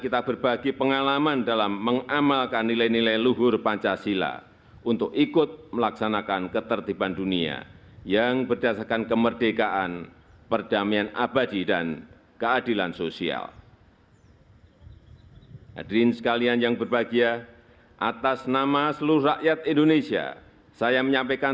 tanda kebesaran buka hormat senjata